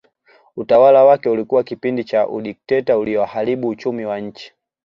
Utawala wake ulikuwa kipindi cha udikteta ulioharibu uchumi wa nchi